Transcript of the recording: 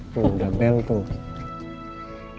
tuh udah bel tuh